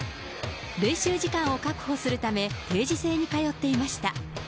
練習時間を確保するため、定時制に通っていました。